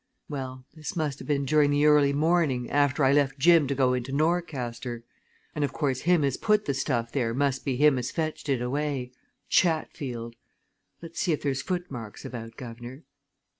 Well this must ha' been during the early morning after I left Jim to go into Norcaster. And of course him as put the stuff there must be him as fetched it away Chatfield. Let's see if there's footmarks about, guv'nor."